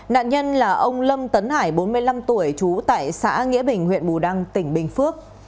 nạn nhân là ông lâm tấn hải bốn mươi năm tuổi trú tại xã nghĩa bình huyện bù đăng tỉnh bình phước